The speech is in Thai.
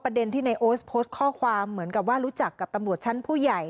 เด็นที่ในโอ๊ตโพสต์ข้อความเหมือนกับว่ารู้จักกับตำรวจชั้นผู้ใหญ่